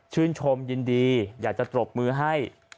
ชื่นชมยินดีอยากจะตรงมือให้